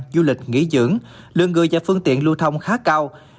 du lịch nghỉ dưỡng lượng người và phương tiện lưu thông khá cao